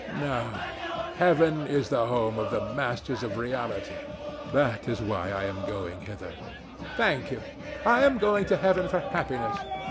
No: heaven is the home of the masters of reality: that is why I am going thither. ANA. Thank you: I am going to heaven for happiness.